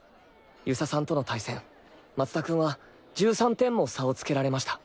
遊佐さんとの対戦松田君は１３点も差をつけられました。